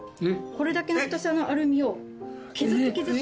これだけの太さのアルミを削って削って。